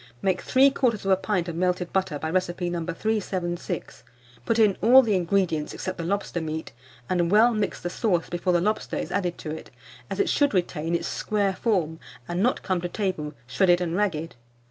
Make 3/4 pint of melted butter by recipe No. 376; put in all the ingredients except the lobster meat, and well mix the sauce before the lobster is added to it, as it should retain its square form, and not come to table shredded and ragged.